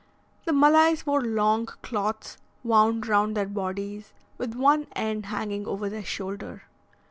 The Malays wore long cloths wound round their bodies, with one end hanging over their shoulder.